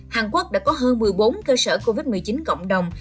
hàn quốc đã có hơn một mươi bốn cơ sở covid một mươi chín cộng đồng